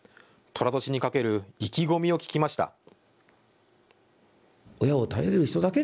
とら年にかける意気込みを聞きました。